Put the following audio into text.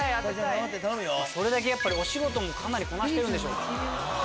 それだけやっぱりお仕事もかなりこなしてるんでしょうか。